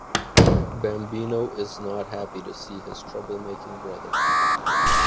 Bambino is not happy to see his trouble-making brother.